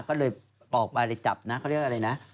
ก็เลยออกมาเลยจับนะเขาเรียกอะไรนะ